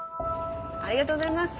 ありがとうございます。